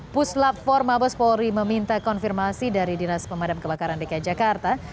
puslat forma bespori meminta konfirmasi dari dinas pemadam kebakaran dki jakarta